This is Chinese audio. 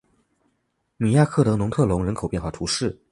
米亚克德农特龙人口变化图示